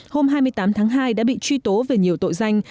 hôm hai mươi tám tháng hai đã bị truy tố về nhiều tội danh